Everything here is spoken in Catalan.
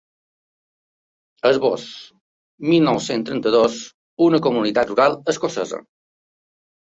Esbós: mil nou-cents trenta-dos, una comunitat rural escocesa.